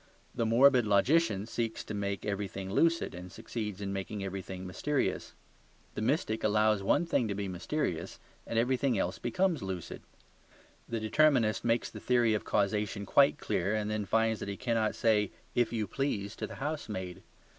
The morbid logician seeks to make everything lucid, and succeeds in making everything mysterious. The mystic allows one thing to be mysterious, and everything else becomes lucid. The determinist makes the theory of causation quite clear, and then finds that he cannot say "if you please" to the housemaid.